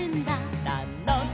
「たのしい！」